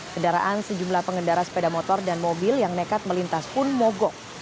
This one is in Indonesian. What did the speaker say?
kendaraan sejumlah pengendara sepeda motor dan mobil yang nekat melintas pun mogok